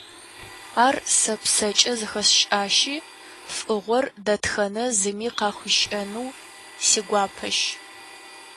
Ар сэ псэкӏэ зыхэсщӏащи, фӏыгъуэр дэтхэнэ зыми къахуищӏэну си гуапэщ.